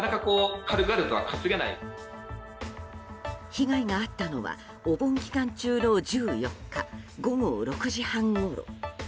被害があったのはお盆期間中の１４日午後６時半ごろ。